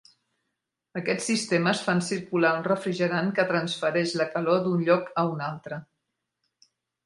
Aquests sistemes fan circular un refrigerant que transfereix la calor d'un lloc a un altre.